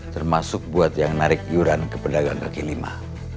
termasuk buat yang narik yuran ke pedagang kaki lima